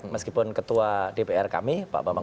meskipun ketua dpr kami pak bambang